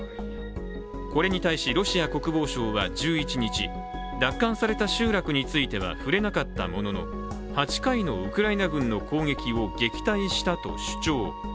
これに対しロシア国防省は１１日、奪還された集落については触れなかったものの８回のウクライナ軍の攻撃を撃退したと主張。